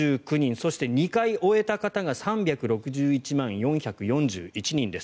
そして２回終えた方が３６１万４４１人です。